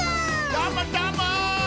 どーもどーも！